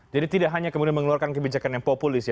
jadi tidak hanya kemudian mengeluarkan kebijakan yang populis ya